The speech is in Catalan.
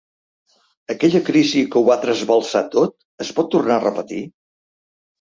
Aquella crisi que ho va trasbalsar tot es pot tornar a repetir?